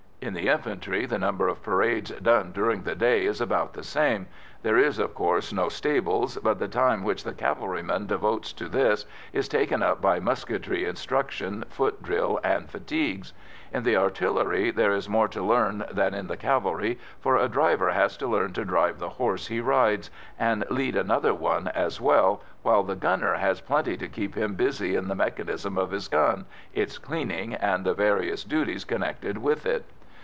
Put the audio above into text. In the infantry the number of parades done during the day is about the same; there is, of course, no "stables," but the time which the cavalryman devotes to this is taken up by musketry instruction, foot drill, and fatigues. In the artillery there is more to learn than in the cavalry, for a driver has to learn to drive the horse he rides, and lead another one as well, while the gunner has plenty to keep him busy in the mechanism of his gun, its cleaning, and the various duties connected with it.